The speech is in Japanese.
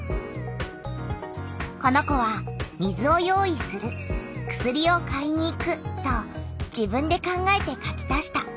この子は「水を用意する」「薬を買いに行く」と自分で考えて書き足した。